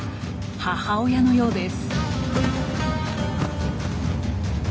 母親のようです。